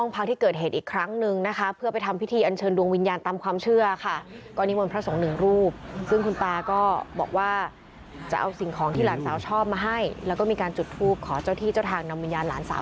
ป่าอยู่ที่นี่แปลกแปลกทีเลย